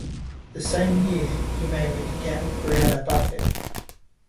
The same year, he married Gabrielle Buffet.